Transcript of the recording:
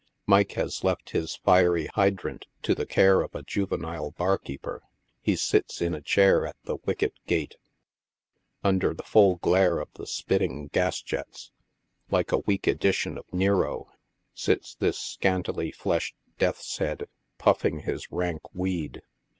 Mike has left his fiery hydrant to the care of a juvenile barkeeper. He sits in a chair at the wicket gate ; under the full glare of the spitting gas jet3. like a weak edition of Nero, sits this scantily fieshed lieatlrs head, puffing his rank weed.